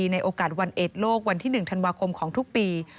ในโอกาสวันเอ็ดโลกวันที่๑ธันวาคมของทุกปี